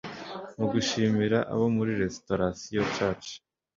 Mu gushimira abo muri Restoration church